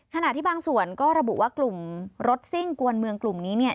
ขณะที่บางส่วนก็ระบุว่ากลุ่มรถซิ่งกวนเมืองกลุ่มนี้เนี่ย